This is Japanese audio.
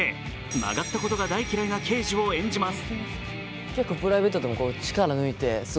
曲がったことが大嫌いな刑事を演じます。